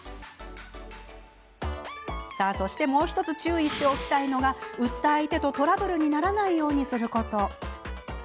そしてもう１つ注意しておきたいのが売った相手とトラブルにならないようにすること。